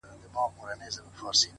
پر ما خوښي لكه باران را اوري.